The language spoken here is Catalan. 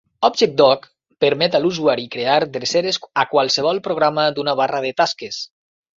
ObjectDock permet a l'usuari crear dreceres a qualsevol programa d'una barra de tasques.